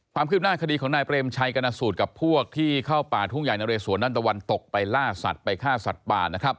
ความคืบหน้าคดีของนายเปรมชัยกรณสูตรกับพวกที่เข้าป่าทุ่งใหญ่นะเรสวนด้านตะวันตกไปล่าสัตว์ไปฆ่าสัตว์ป่านะครับ